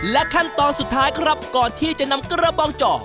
ขั้นตอนสุดท้ายครับก่อนที่จะนำกระบองเจาะ